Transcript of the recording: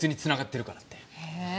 へえ。